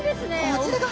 こちらが。